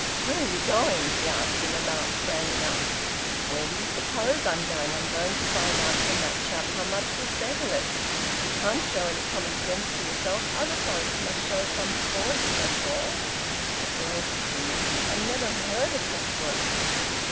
"Where are you going?" she asked in alarm, standing up. "Where do you suppose I'm going? I'm going to find out from that chap how much will settle it. If you can't show any common sense for yourself, other folks must show some for you that's all. The brokers in the house! I never heard of such work!"